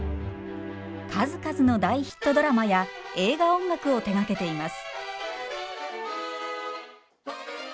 数々の大ヒットドラマや映画音楽を手がけています。